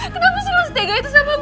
kenapa selalu setega itu sama gue